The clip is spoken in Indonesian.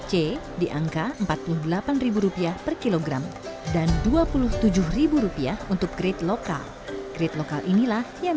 c diangka empat puluh delapan rupiah per kilogram dan dua puluh tujuh rupiah untuk grade lokal grade lokal inilah yang